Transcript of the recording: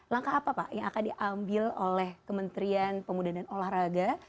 langkah apa pak yang akan diambil oleh kementerian pemuda dan olahraga